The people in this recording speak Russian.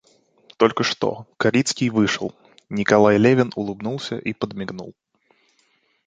Только что Крицкий вышел, Николай Левин улыбнулся и подмигнул.